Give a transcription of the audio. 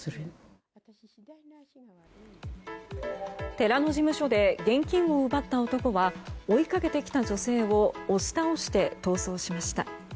寺の事務所で現金を奪った男は追いかけてきた女性を押し倒して逃走しました。